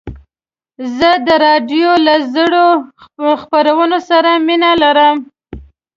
زه د راډیو له زړو خپرونو سره مینه لرم.